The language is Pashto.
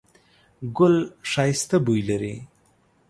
ګل ښایسته بوی لري